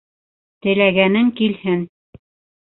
— Теләгәнең килһен!